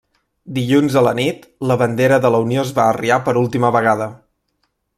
Dilluns a la nit, la bandera de la Unió es va arriar per última vegada.